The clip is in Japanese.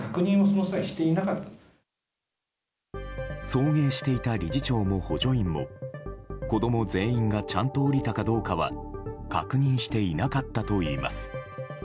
送迎していた理事長も補助員も子供全員がちゃんと降りたかどうかは確認していなかったといいます。